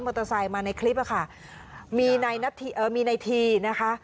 เตอร์ไซค์มาในคลิปอะค่ะมีนายนัทธีเอ่อมีในทีนะคะ